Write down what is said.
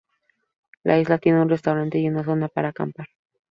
La isla tiene un restaurante y una zona para acampar.